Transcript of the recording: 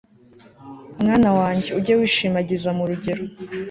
mwana wanjye, ujye wishimagiza mu rugero